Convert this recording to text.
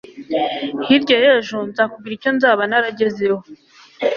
hirya y'ejo nzakubwira icyo nzaba naragezeho